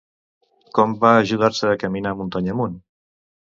Com va ajudar-se a caminar muntanya amunt?